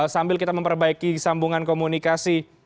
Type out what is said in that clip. sambil kita memperbaiki sambungan komunikasi